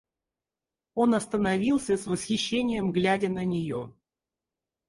Он остановился, с восхищением глядя на нее.